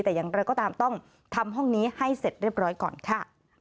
แต่อย่างไรก็ตามต้องทำห้องนี้ให้เสร็จเรียบร้อยก่อนค่ะ